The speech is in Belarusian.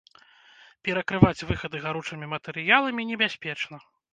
Перакрываць выхады гаручымі матэрыяламі небяспечна.